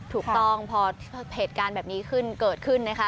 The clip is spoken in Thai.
ถูกต้องพอเหตุการณ์แบบนี้ขึ้นเกิดขึ้นนะคะ